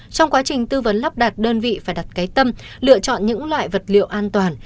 trong quá trình tư vấn lắp đặt đơn vị phải đặt cái tâm lựa chọn những loại vật liệu an toàn